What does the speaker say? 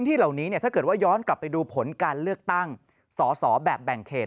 ที่เหล่านี้ถ้าเกิดว่าย้อนกลับไปดูผลการเลือกตั้งสอสอแบบแบ่งเขต